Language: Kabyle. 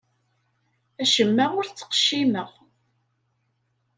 Acemma ur t-ttqeccimeɣ.